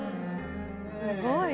すごい。